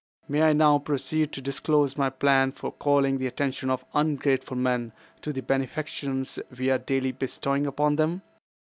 "May I now proceed to disclose my plan for calling the attention of ungrateful men to the benefactions we are daily bestowing upon them?"